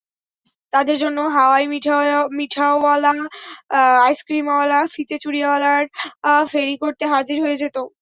তাদের জন্য হাওয়াই মিঠাইওয়ালা, আইসক্রিমওয়ালা, ফিতে-চুড়িওয়ালারা ফেরি করতে হাজির হয়ে যেত।